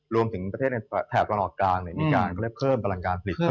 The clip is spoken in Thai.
รวมถึงประเทศในแถบละหนอดกลางในมีการก็เรียกว่าเพิ่มพลังงานผลิตเพิ่มขึ้น